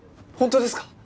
本当ですか？